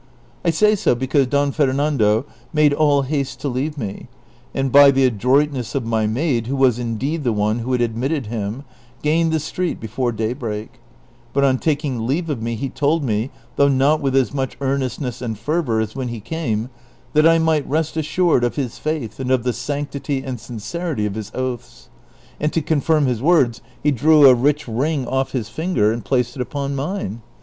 I say so because Don Fernando made all haste to leave me, and by the adroitness of my maid, who was indeed the one who had admitted him, gained the street before daybreak ; but on taking leave of me he told me, though not with as much earnestness and fervor as when he came, that I might rest assured of his faith and of the sanctity and sincerity of his oatlis ; and to confirm his words he drew a rich ring oft' Iris finger and placed it upon mine.